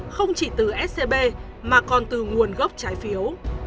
không chỉ từ scb mà còn từ nguồn gốc trái phiếu